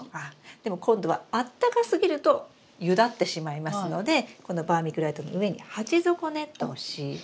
でも今度はあったかすぎるとゆだってしまいますのでこのバーミキュライトの上に鉢底ネットを敷いて。